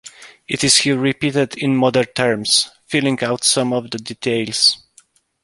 It is here repeated in modern terms, filling out some of the details.